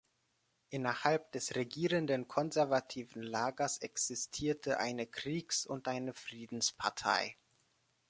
Innerhalb des regierenden konservativen Lagers existierte eine „Kriegs“- und eine „Friedenspartei“.